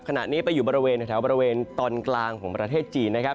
ขณะนี้ไปอยู่บริเวณแถวบริเวณตอนกลางของประเทศจีนนะครับ